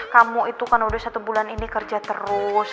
kamu itu kan udah satu bulan ini kerja terus